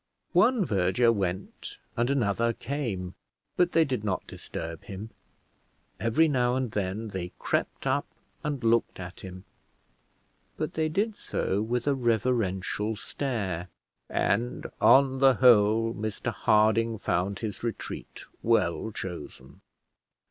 One verger went and another came, but they did not disturb him; every now and then they crept up and looked at him, but they did so with a reverential stare, and, on the whole, Mr Harding found his retreat well chosen.